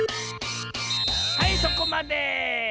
はいそこまで！